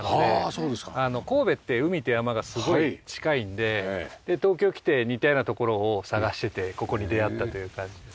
神戸って海と山がすごい近いんで東京来て似たような所を探しててここに出会ったという感じです。